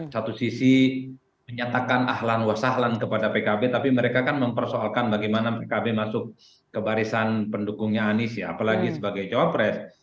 satu sisi menyatakan ahlan wasahlan kepada pkb tapi mereka kan mempersoalkan bagaimana pkb masuk ke barisan pendukungnya anies ya apalagi sebagai cawapres